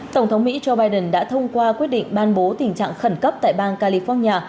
tổng thống mỹ joe biden đã thông qua quyết định ban bố tình trạng khẩn cấp tại bang california